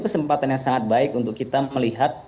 kesempatan yang sangat baik untuk kita melihat